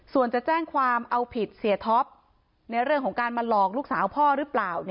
ส่วนจะแจ้งความเอาผิดเสียท็อปในเรื่องของการมาหลอกลูกสาวพ่อหรือเปล่า